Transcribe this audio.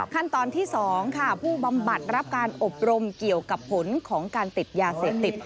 ขั้นตอนที่๒ค่ะผู้บำบัดรับการอบรมเกี่ยวกับผลของการติดยาเสพติด